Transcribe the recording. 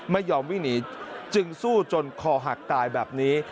ไม่ยอมวิ่งหนีจึงสู้จนคอหักตายแบบนี้